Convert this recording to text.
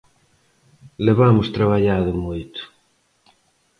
Levamos traballado moito.